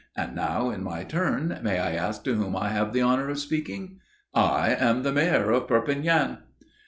And now, in my turn, may I ask to whom I have the honour of speaking?" "I am the Mayor of Perpignan."